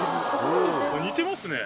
似てます？